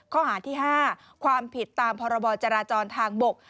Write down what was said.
ข้อหาที่๕ความผิดตามพรบจราจรทางบก